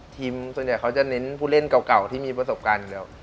ส่วนใหญ่เขาจะเน้นผู้เล่นเก่าที่มีประสบการณ์อยู่แล้ว